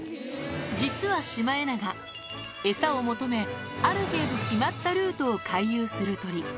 実はシマエナガ、餌を求め、ある程度決まったルートを回遊する鳥。